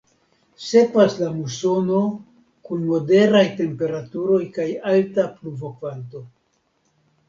Sekvas la musono kun moderaj temperaturoj kaj alta pluvokvanto.